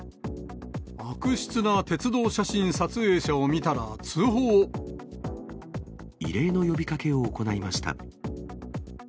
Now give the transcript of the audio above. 悪質な鉄道写真撮影者を見た異例の呼びかけを行いました。